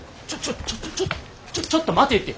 ちょちょちょっと待てって。